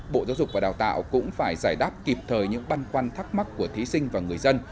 bộ giáo dục và đào tạo cũng phải giải đáp kịp thời những băn khoăn thắc mắc của thí sinh và người dân